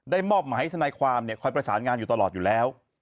มอบหมายให้ทนายความคอยประสานงานอยู่ตลอดอยู่แล้ว